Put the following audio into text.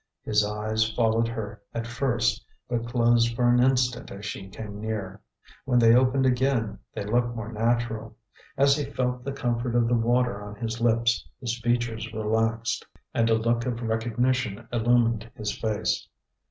His eyes followed her at first, but closed for an instant as she came near. When they opened again, they looked more natural. As he felt the comfort of the water on his lips, his features relaxed, and a look of recognition illumined his face.